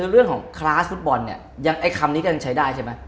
เรื่องของคลาสฟุตบอลเนี่ยยังไอ้คำนี้ก็ยังใช้ได้ใช่ไหม